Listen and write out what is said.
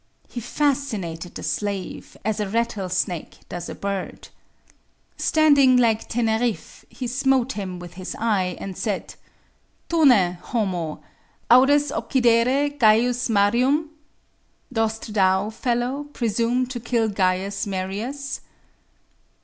He fascinated the slave, as a rattlesnake does a bird. Standing "like Teneriffe," he smote him with his eye, and said, "Tune, homo, audes occidere C. Marium?" "Dost thou, fellow, presume to kill Caius Marius?"